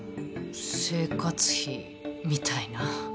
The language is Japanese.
生活費みたいな。